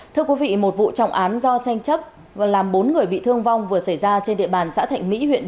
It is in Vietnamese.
thưa quý vị một vụ trọng án do tranh chấp và làm bốn người bị thương vong vừa xảy ra trên địa bàn xã thạnh mỹ huyện